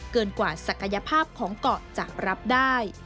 เกินกว่าศักยภาพของเกาะจะรับได้